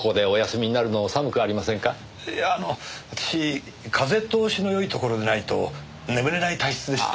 いや私風通しのよいところでないと眠れない体質でして。